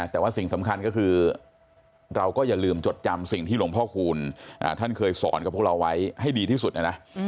แต่ว่าสิ่งสำคัญก็คือเราก็อย่าลืมจดจำสิ่งที่หลวงพ่อคูณท่านเคยสอนกับพวกเราไว้ให้ดีที่สุดนะนะ